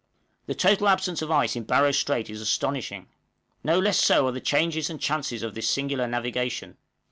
} The total absence of ice in Barrow Strait is astonishing. No less so are the changes and chances of this singular navigation.